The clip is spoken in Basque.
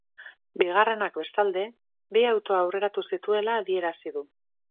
Bigarrenak, bestalde, bi auto aurreratu zituela adierazi du.